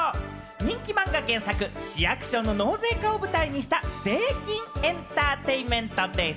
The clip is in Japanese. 人気漫画原作、市役所の納税課を舞台にした、税金エンターテインメントです。